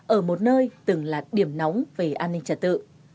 ở một nơi từng là điểm nóng về an ninh trật tự